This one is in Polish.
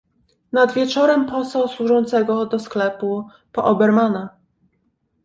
"Nad wieczorem posłał służącego do sklepu po Obermana."